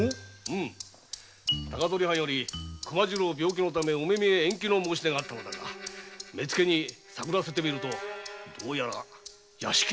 高取藩より熊次郎病気のためお目見得延期の申し出があったが目付に探らせてみると屋敷におらぬらしいのだ。